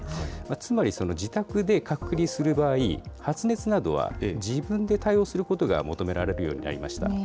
つまり、自宅で隔離する場合、発熱などは自分で対応することが求められるようになりました。